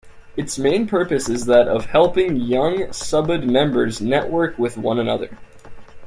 Its main purpose is that of helping young Subud members network with one another.